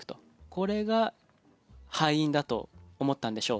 これが敗因だと思ったんでしょう。